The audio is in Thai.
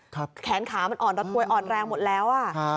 แขนขามันอ่อนระทวยอ่อนแรงหมดแล้วอ่ะ